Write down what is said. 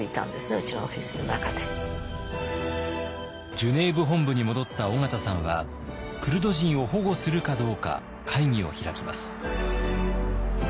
ジュネーブ本部に戻った緒方さんはクルド人を保護するかどうか会議を開きます。